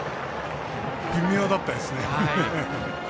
微妙だったですね。